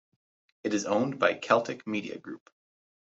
It is owned by Celtic Media Group.